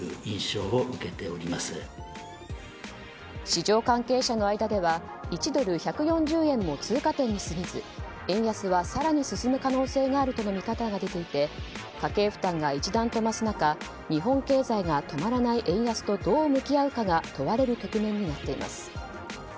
市場関係者の間では１ドル＝１４０円も通過点に過ぎず円安は更に進む可能性があるとの見方が出ていて家計負担が一段と増す中日本経済が止まらない円安とどう向き合うかが問われる局面になっています。